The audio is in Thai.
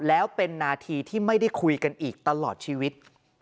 แล้วเป็นนาทีที่ไม่ได้คุยกันอีกตลอดชีวิต